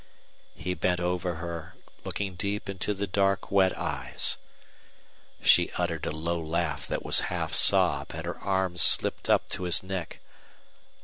He bent over her, looking deep into the dark wet eyes. She uttered a low laugh that was half sob, and her arms slipped up to his neck.